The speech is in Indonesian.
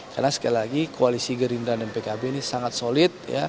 karena sekali lagi koalisi gerindra dan pkb ini sangat solid